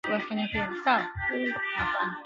iringa ni kitovu kikuu cha utalii nyanda za juu kusini